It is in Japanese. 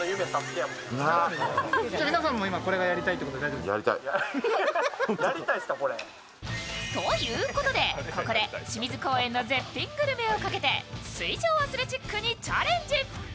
きれい。ということで、ここで清水公園の絶品グルメをかけて、水上アスレチックにチャレンジ。